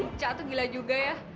eh ica tuh gila juga ya